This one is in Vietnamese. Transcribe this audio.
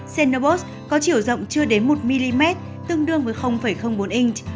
cenobos có chiều rộng chưa đến một mm tương đương với bốn inch